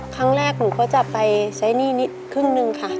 ครั้งแรกหนูก็จะไปใช้หนี้นิดครึ่งนึงค่ะ